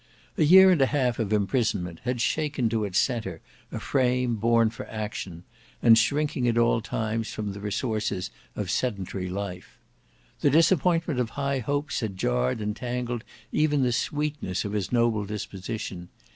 A year and a half of imprisonment had shaken to its centre a frame born for action, and shrinking at all times from the resources of sedentary life. The disappointment of high hopes had jarred and tangled even the sweetness of his noble disposition.